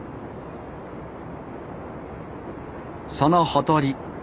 そのほとり